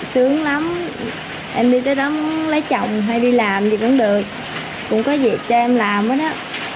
cũng có việc cho em làm đó